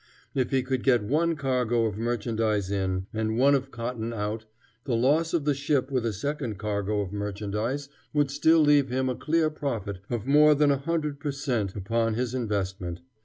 If he could get one cargo of merchandise in, and one of cotton out, the loss of the ship with a second cargo of merchandise would still leave him a clear profit of more than a hundred per cent. upon his investment.